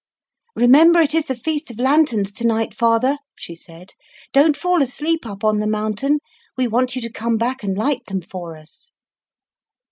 "Remember it is the Feast of Lanterns to night, father," she said. "Don't fall asleep up on the mountain; we want you to come back and light them for us."